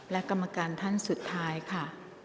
และกรรมการท่านสุดท้ายค่ะ